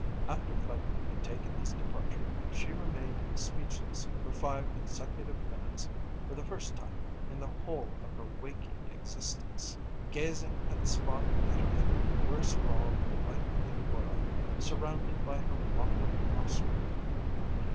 After Flique had taken his departure, she remained speechless for five consecutive minutes for the first time in the whole of her waking existence, gazing at the spot at her feet where sprawled the white angora, surrounded by her mottled offspring.